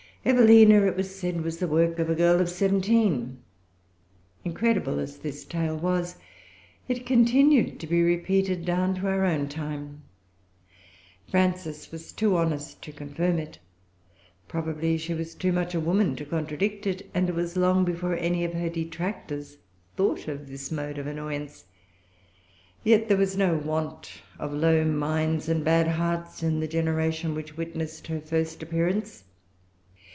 Evelina, it was said, was the work of a girl of seventeen. Incredible as this tale was, it continued to be repeated down to our own time. Frances was too honest to confirm it. Probably she was too much a woman to contradict it; and it was long before any of her detractors thought of this mode of annoyance. Yet there was no want of low minds and bad hearts in the generation which witnessed her first appearance.